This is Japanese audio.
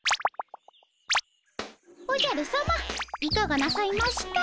おじゃるさまいかがなさいました？